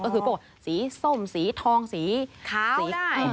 ก็คือสีส้มสีทองสีขาว